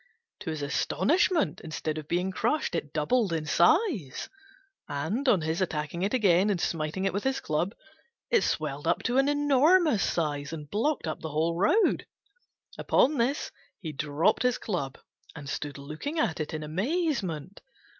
To his astonishment, instead of being crushed it doubled in size; and, on his attacking it again and smiting it with his club, it swelled up to an enormous size and blocked up the whole road. Upon this he dropped his club, and stood looking at it in amazement.